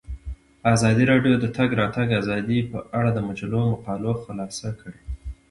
ازادي راډیو د د تګ راتګ ازادي په اړه د مجلو مقالو خلاصه کړې.